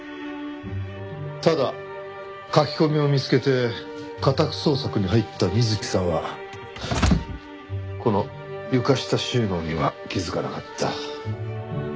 ただ書き込みを見つけて家宅捜索に入った水木さんはこの床下収納には気づかなかった。